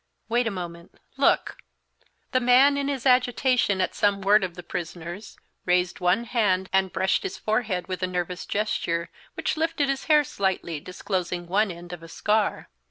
Wait a moment, look!" The man in his agitation at some word of the prisoner's, raised one hand and brushed his forehead with a nervous gesture, which lifted his hair slightly, disclosing one end of a scar.